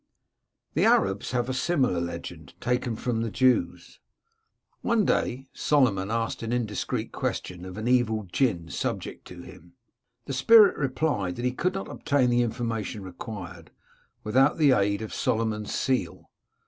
The Arabs have a similar legend, taken from the Jews :—" One day Solomon asked an indiscreet question of an evil Jinn subject to him. The spirit replied that he could not obtain the information required without the aid of Solomon's seal.